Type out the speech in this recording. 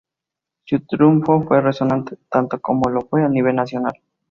Su triunfo fue resonante, tanto como lo fue a nivel nacional.